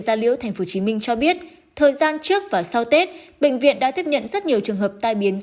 xin chào và hẹn gặp lại